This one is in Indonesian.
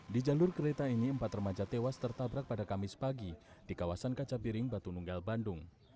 di jalur kereta ini empat remaja tewas tertabrak pada kamis pagi di kawasan kaca piring batu nunggal bandung